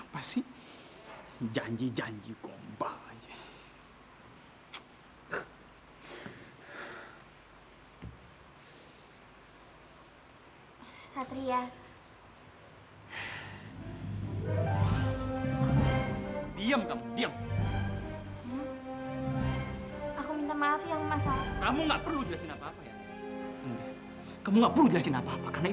wajar kalo satria memang